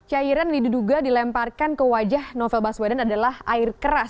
cairan yang diduga dilemparkan ke wajah novel baswedan adalah air keras